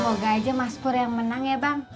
semoga aja mas pur yang menang ya bang